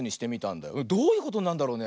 どういうことになるんだろうね。